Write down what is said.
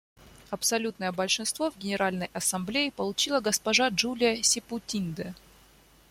Абсолютное большинство в Генеральной Ассамблее получила госпожа Джулия Себутинде.